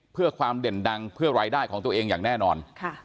เพื่อความเด่นดังเพื่อรายได้ของตัวเองอย่างแน่นอน